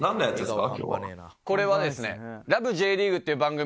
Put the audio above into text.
これはですね。